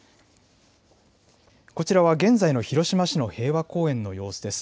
こちらは現在の広島市の平和公園の様子です。